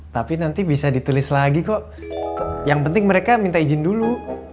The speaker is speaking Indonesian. tapi nanti bisa ditulis lagi kok yang penting mereka minta izin dulu